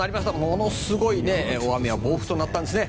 ものすごい大雨や暴風となったんですね。